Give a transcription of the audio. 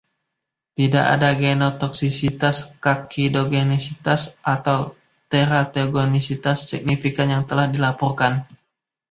Tida ada genotoksisitas, kakkinogenisitas, atau teratogenisitas signifikan yang telah dilaporkan.